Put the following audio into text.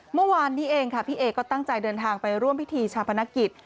เมื่อวานนี้เองค่ะพี่เอก็ตั้งใจเดินทางไปร่วมพิธีชาปนกิจ